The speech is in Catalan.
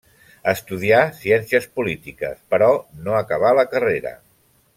Estudià ciències polítiques, però no acabà la carrera.